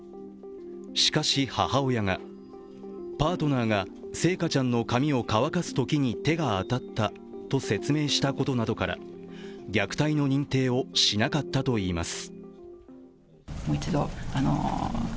しかし、母親がパートナーが星華ちゃんの髪を乾かすときに手が当たったと説明したことなどから虐待の認定をしなかったといいます。